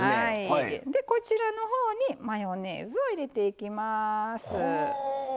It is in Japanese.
こちらのほうにマヨネーズを入れていきます。